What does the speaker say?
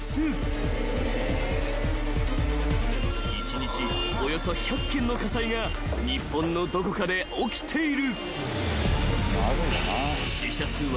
［一日およそ１００件の火災が日本のどこかで起きている］